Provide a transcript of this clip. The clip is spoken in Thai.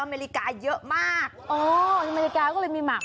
อเมริกา